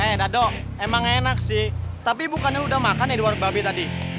enak dok emang enak sih tapi bukannya udah makan ya di warung babi tadi